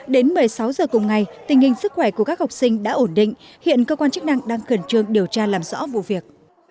đến một mươi sáu giờ cùng ngày tình hình sức khỏe của các học sinh đã ổn định hiện cơ quan chức năng đang khẩn trương điều tra làm rõ vụ việc